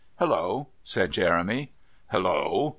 "Hallo!" said Jeremy. "Hallo!"